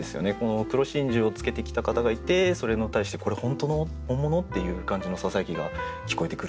黒真珠を着けてきた方がいてそれに対して「これ本当の？」「本物？」っていう感じの囁きが聞こえてくる。